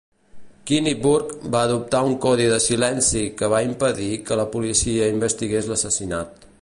Kinniburgh va adoptar un codi de silenci que va impedir que la policia investigués l'assassinat.